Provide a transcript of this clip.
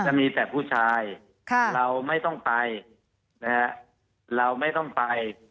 จะมีแต่ผู้ชายเราไม่ต้องไปนะฮะเราไม่ต้องไป